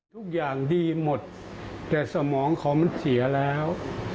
ทุกอย่างดีหมดแต่สมองเขามันเสียแล้ว